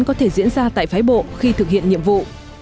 có thể diễn ra tại phái bộ khi thực hiện nhiệm vụ